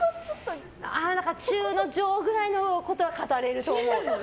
中の上くらいのことは語れると思う。